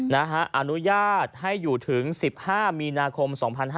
อนุญาตให้อยู่ถึง๑๕มีนาคม๒๕๕๙